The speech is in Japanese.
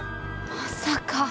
まさか。